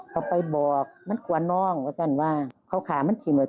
เขาไปบอกมันกลัวน้องว่าสั้นว่าเขาขามันฉี่หมด